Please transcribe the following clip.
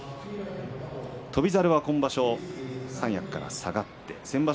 翔猿は今場所三役から下がって先場所